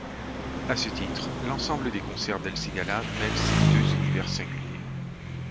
À ce titre, l'ensemble des concerts d'El Cigala mêle ces deux univers singuliers.